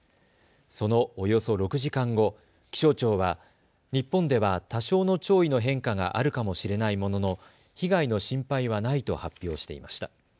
そのおよそ６時間後、気象庁は日本では多少の潮位の変化があるかもしれないものの被害の心配はないと発表していました。